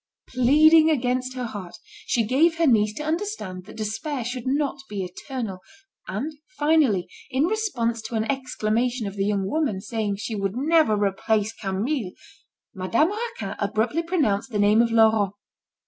Pleading against her heart, she gave her niece to understand that despair should not be eternal; and, finally, in response to an exclamation of the young woman saying she would never replace Camille, Madame Raquin abruptly pronounced the name of Laurent.